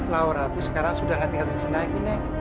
laura tuh sekarang sudah gak tinggal di sini lagi nek